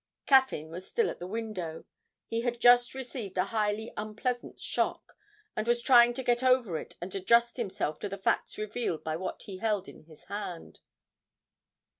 Caffyn was still at the window; he had just received a highly unpleasant shock, and was trying to get over it and adjust himself to the facts revealed by what he held in his hand.